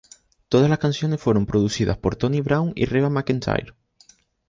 Todas las canciones fueron producidas por Tony Brown y Reba McEntire